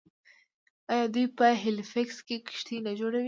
آیا دوی په هیلیفیکس کې کښتۍ نه جوړوي؟